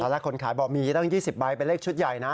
แล้วคนขายบอกมีตั้ง๒๐ใบเป็นเลขชุดใหญ่นะ